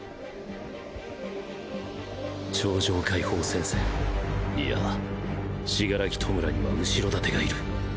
超常解放戦線いや死柄木弔には後ろ盾がいる。